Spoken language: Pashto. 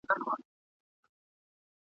یو شمس الدین وم په کندهار کي ..